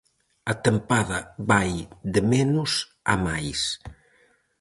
A tempada vai de menos a máis.